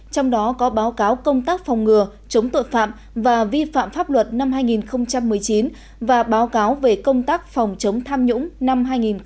trong đó có báo cáo công tác phòng ngừa chống tội phạm và vi phạm pháp luật năm hai nghìn một mươi chín và báo cáo về công tác phòng chống tham nhũng năm hai nghìn hai mươi